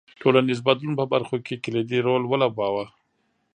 ټولنیز بدلون په برخو کې کلیدي رول ولوباوه.